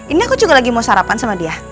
ini aku juga lagi mau sarapan sama dia